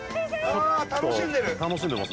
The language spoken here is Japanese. あ楽しんでる。